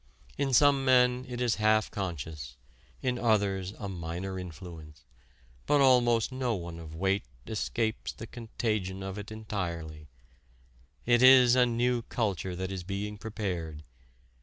In some men it is half conscious, in others a minor influence, but almost no one of weight escapes the contagion of it entirely. It is a new culture that is being prepared.